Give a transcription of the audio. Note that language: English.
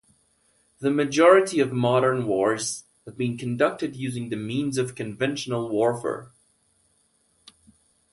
The majority of modern wars have been conducted using the means of conventional warfare.